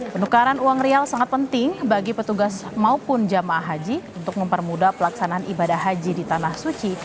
penukaran uang rial sangat penting bagi petugas maupun jamaah haji untuk mempermudah pelaksanaan ibadah haji di tanah suci